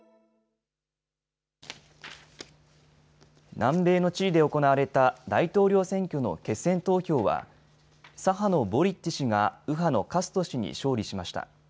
南米のチリで行われた大統領選挙の決選投票は左派のボリッチ氏が右派のカスト氏に勝利しました。